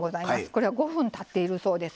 これは５分たっているそうです。